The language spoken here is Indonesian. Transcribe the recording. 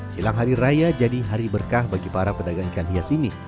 hilang hari raya jadi hari berkah bagi para pedagang ikan hias ini